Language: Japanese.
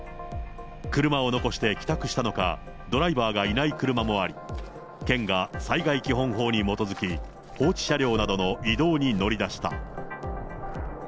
車を残して帰宅したのか、ドライバーがいない車もあり、県が、災害基本法に基づき、放置車両などの移動に乗り出した。